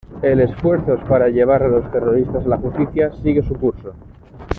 El esfuerzos para llevar a los terroristas a la justicia sigue su curso.